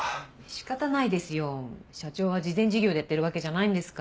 仕方ないですよ社長は慈善事業でやってるわけじゃないんですから。